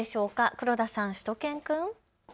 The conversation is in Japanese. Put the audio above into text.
黒田さん、しゅと犬くん。